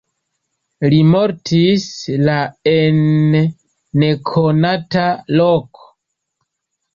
Li mortis la en nekonata loko.